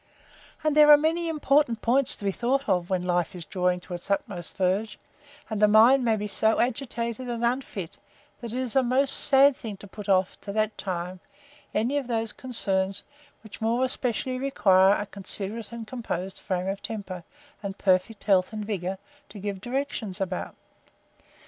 And there are many important points to be thought of, when life is drawing to its utmost verge; and the mind may be so agitated and unfit, that it is a most sad thing to put off, to that time, any of those concerns, which more especially require a considerate and composed frame of temper, and perfect health and vigour, to give directions about.